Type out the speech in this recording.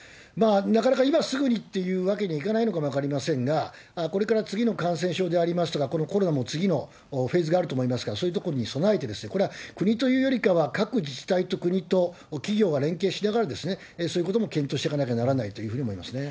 なかなか今すぐにというわけにはいかないのかも分かりませんが、これから次の感染症でありますとか、このコロナも次のフェーズがあると思いますから、そういうところに備えて、これは国というよりかは、各自治体と国と企業が連携しながら、そういうことも検討していかなければならないというふうには思い